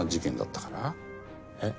えっ？